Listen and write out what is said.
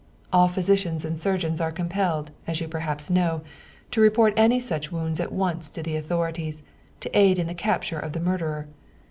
All physicians and surgeons are compelled, as you perhaps know, to report any such wounds at once to the authorities, to aid in the capture of the murderer.